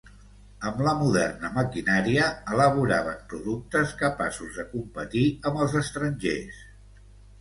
Amb la moderna maquinària elaboraven productes capaços de competir amb els estrangers.